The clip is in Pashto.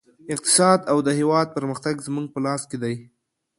اقتصاد او د هېواد پرمختګ زموږ په لاس کې دی